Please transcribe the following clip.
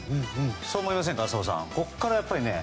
そう思いませんか？